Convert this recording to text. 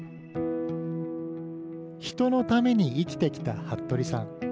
人のために生きてきた服部さん。